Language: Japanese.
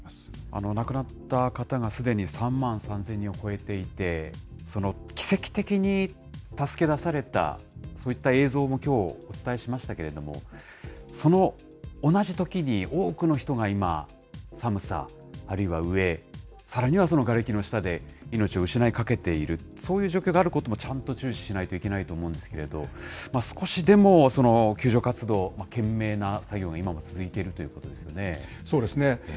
亡くなった方がすでに３万３０００人を超えていて、その奇跡的に助け出された、そういった映像もきょう、お伝えしましたけれども、その同じ時に多くの人が今、寒さ、あるいは飢え、さらにはがれきの下で命を失いかけている、そういう状況があることもちゃんと注視しないといけないと思うんですけれども、少しでも救助活動、懸命な作業が今も続いているといそうですね。